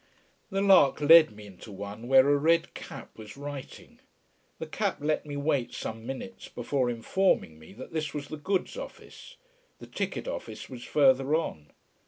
The lark led me into one, where a red cap was writing. The cap let me wait some minutes before informing me that this was the goods office the ticket office was further on.